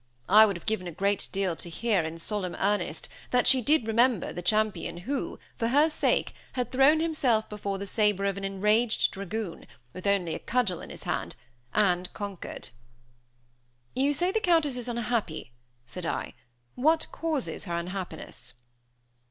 I would have given a great deal to hear, in solemn earnest, that she did remember the champion who, for her sake, had thrown himself before the saber of an enraged dragoon, with only a cudgel in his hand, and conquered. "You say the Countess is unhappy," said I. "What causes her unhappiness?"